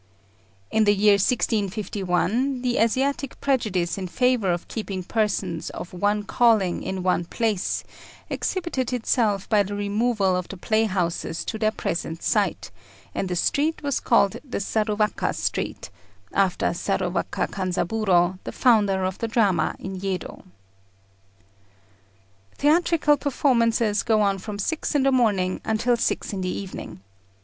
In the year 1651, the Asiatic prejudice in favour of keeping persons of one calling in one place exhibited itself by the removal of the playhouses to their present site, and the street was called the Saruwaka Street, after Saruwaka Kanzaburô, the founder of the drama in Yedo. Theatrical performances go on from six in the morning until six in the evening.